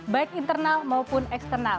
baik internal maupun eksternal